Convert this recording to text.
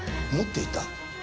持っていた？